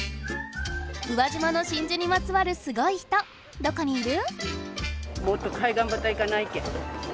宇和島の真珠にまつわるすごい人どこにいる？